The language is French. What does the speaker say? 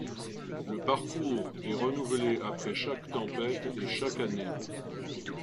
Le parcours est renouvelé après chaque tempête et chaque année.